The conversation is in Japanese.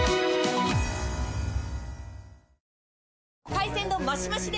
海鮮丼マシマシで！